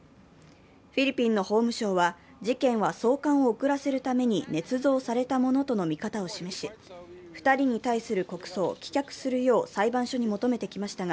フィリピンの法務省は、事件は送還を遅らせるためにねつ造されたものとの見方を示し、２人に対する告訴を棄却するよう裁判所に求めてきましたが